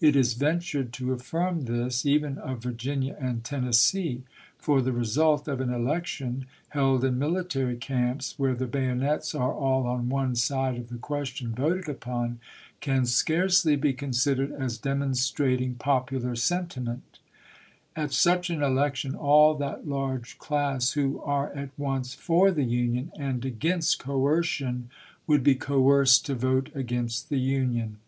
It is ventured to affirm this, even of Virginia and Tennessee; for the result of an election, held in military camps, where the bayonets are aU on one side of the question voted upon, can scarcely be considered as demonstrating popular sentiment. At such an election all that large class who are, at once, for the Union, and against coercion, would be coerced to vote against the Union.